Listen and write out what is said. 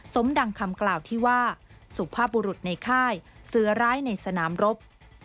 ดังคำกล่าวที่ว่าสุภาพบุรุษในค่ายเสือร้ายในสนามรบ